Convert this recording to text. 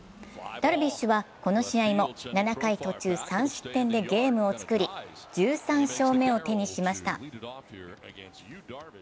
ダルビッシュはこの試合も７回途中３失点でゲームを作り１３勝目を手にしました。